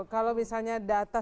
kalau misalnya data